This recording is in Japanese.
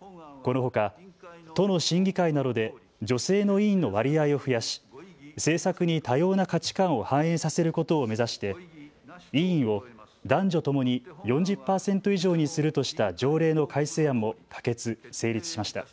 このほか都の審議会などで女性の委員の割合を増やし政策に多様な価値観を反映させることを目指して委員を男女ともに４０％以上にするとした条例の改正案も可決・成立しました。